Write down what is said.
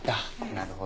なるほど。